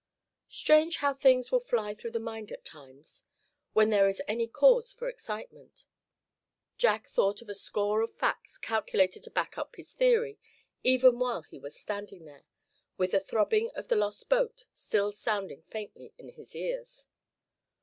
Strange how things will fly through the mind at times, when there is any cause for excitement. Jack thought of a score of facts calculated to back up his theory, even while he was standing there, with the throbbing of the lost boat still sounding faintly in his ears.